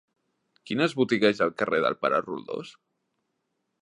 Quines botigues hi ha al carrer del Pare Roldós?